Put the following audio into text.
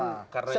ya karena itu kan